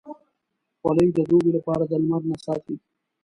خولۍ د دوبې لپاره د لمر نه ساتي.